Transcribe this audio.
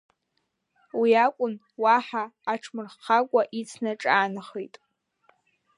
Уи акәын, уаҳа аҽмырххакәа ицны аҿаанахеит.